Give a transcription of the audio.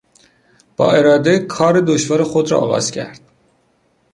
با اراده کار دشوار خود را آغاز کرد.